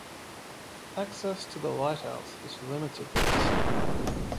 Access to the lighthouse is limited by the city.